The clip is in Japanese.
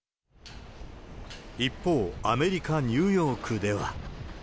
一方、アメリカ・ニューヨークでは。